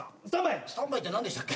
スタンバイって何でしたっけ？